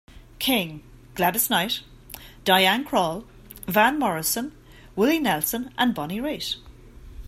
King, Gladys Knight, Diana Krall, Van Morrison, Willie Nelson and Bonnie Raitt.